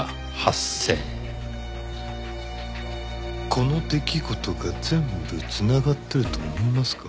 この出来事が全部繋がってると思いますか？